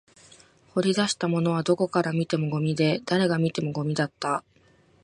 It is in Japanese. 掘り出したものはどこから見てもゴミで、誰が見てもゴミだった